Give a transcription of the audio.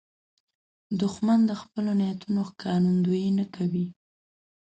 دښمن د خپلو نیتونو ښکارندویي نه کوي